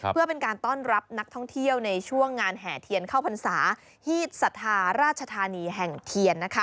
เพื่อเป็นการต้อนรับนักท่องเที่ยวในช่วงงานแห่เทียนเข้าพรรษาฮีดสัทธาราชธานีแห่งเทียนนะคะ